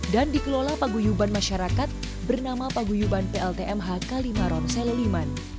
dan dikelola paguyuban masyarakat bernama paguyuban pltmh kalimaron seloliman